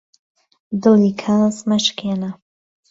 دڵی کەس مەشکێنە